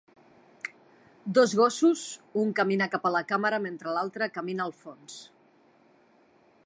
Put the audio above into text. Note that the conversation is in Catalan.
Dos gossos, un camina cap a la càmera mentre l'altre camina al fons.